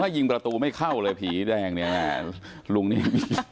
ยิงประตูไม่เข้าเลยผีแดงเนี่ยลุงนี่